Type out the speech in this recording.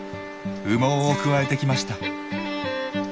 羽毛をくわえてきました。